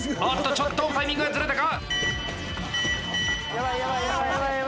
ちょっとタイミングがずれたか？